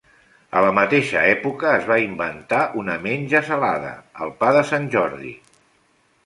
A la mateixa època es va inventar una menja salada, el pa de Sant Jordi.